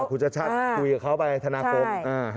คุณชาติชาติคุยกับเขาไปธนาคม